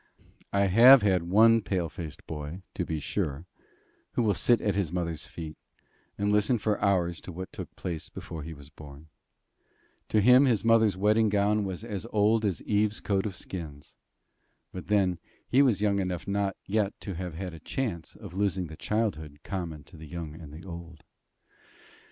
I have had one pale faced boy, to be sure, who will sit at his mother's feet, and listen for hours to what took place before he was born. To him his mother's wedding gown was as old as Eve's coat of skins. But then he was young enough not yet to have had a chance of losing the childhood common to the young and the old.